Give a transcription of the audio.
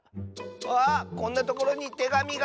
あこんなところにてがみが！